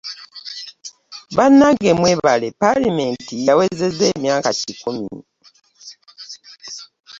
Bannange mwebale Ppaalamenti yawezezza emyaka kikumi.